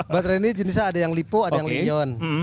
baterai ini jenisnya ada yang lipu ada yang leon